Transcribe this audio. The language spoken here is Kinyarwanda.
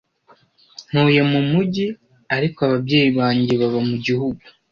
Ntuye mu mujyi, ariko ababyeyi banjye baba mu gihugu.